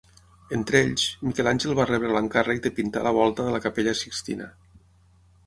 Entre ells, Miquel Àngel va rebre l'encàrrec de pintar la volta de la capella Sixtina.